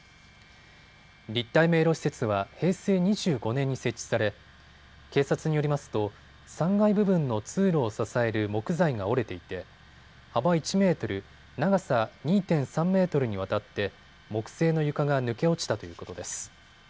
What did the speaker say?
立体迷路施設は平成２５年に設置され警察によりますと３階部分の通路を支える木材が折れていて幅１メートル、長さ２．３メートルにわたって木製の床が抜け落ちたということです。